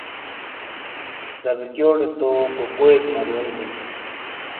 دبیکیوڈے توکوکوئیک مرونی بئی